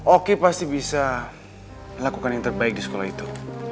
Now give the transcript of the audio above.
oke pasti bisa melakukan yang terbaik di sekolah itu